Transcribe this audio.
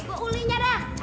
mau ulinya dah